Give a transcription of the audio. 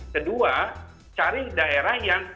kedua cari daerah yang